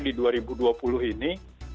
saksikan sebenarnya di dua ribu dua puluh ini